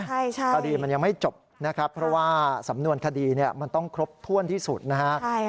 คดีมันยังไม่จบนะครับเพราะว่าสำนวนคดีมันต้องครบถ้วนที่สุดนะฮะ